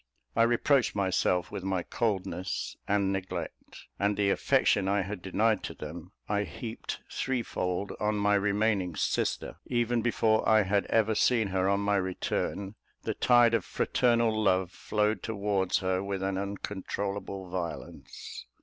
I reproached myself with my coldness and neglect; and the affection I had denied to them, I heaped threefold on my remaining sister: even before I had ever seen her on my return, the tide of fraternal love flowed towards her with an uncontrollable violence.